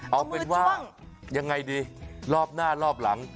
เอาเป็นว่ายังไงดีรอบหน้ารอบหลัง